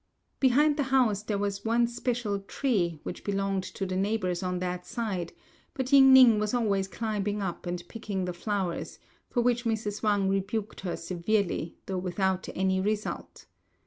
Behind the house there was one especial tree which belonged to the neighbours on that side; but Ying ning was always climbing up and picking the flowers, for which Mrs. Wang rebuked her severely, though without any result.